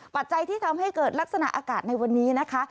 ปัจจัยที่ทำให้เกิดลักษณะอากาศในวันนี้นะคะ